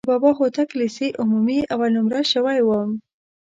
د بابا هوتک لیسې عمومي اول نومره شوی وم.